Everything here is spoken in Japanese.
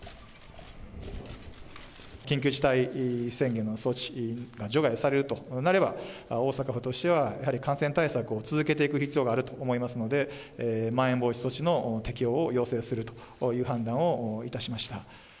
緊急事態宣言の措置が除外されるとなれば、大阪府としては、やはり感染対策を続けていく必要があると思いますので、まん延防止措置の適用を要請するという判断をいたしました。